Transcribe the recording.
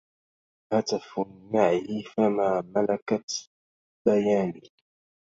هتف النعي فما ملكت بياني